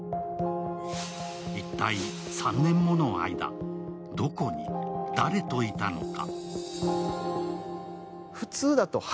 一体、３年もの間どこに、誰といたのか。